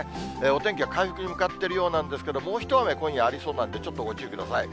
お天気が回復に向かっているようなんですけど、もう一雨、今夜ありそうなんで、ご注意ください。